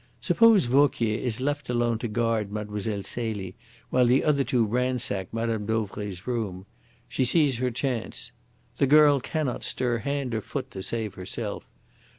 Suppose Vauquier is left alone to guard Mlle. Celie while the other two ransack Mme. Dauvray's room. She sees her chance. The girl cannot stir hand or foot to save herself.